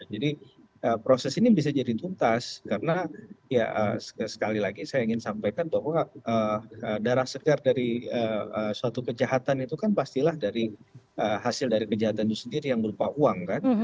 jadi proses ini bisa jadi tuntas karena ya sekali lagi saya ingin sampaikan bahwa darah segar dari suatu kejahatan itu kan pastilah dari hasil dari kejahatan itu sendiri yang berupa uang kan